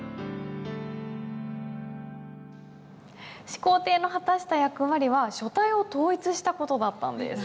始皇帝の果たした役割は書体を統一した事だったんです。